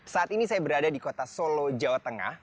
saat ini saya berada di kota solo jawa tengah